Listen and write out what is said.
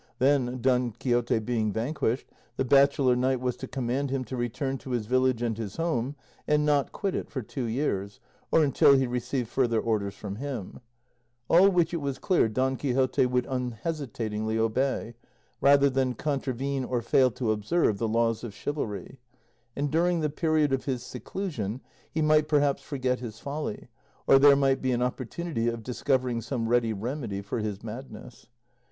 Then, Don Quixote being vanquished, the bachelor knight was to command him to return to his village and his house, and not quit it for two years, or until he received further orders from him; all which it was clear Don Quixote would unhesitatingly obey, rather than contravene or fail to observe the laws of chivalry; and during the period of his seclusion he might perhaps forget his folly, or there might be an opportunity of discovering some ready remedy for his madness.